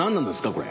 これ。